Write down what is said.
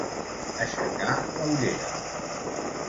Aixecar la ullera.